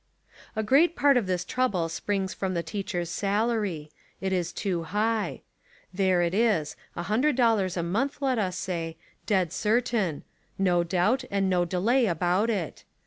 A great part of this trouble springs from the teacher's salary. It is too high. There it is, a hundred dollars a month, let us say, dead certain — no doubt and no delay about it.